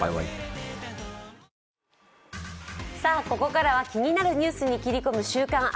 ここからは気になるニュースに切り込む「週刊！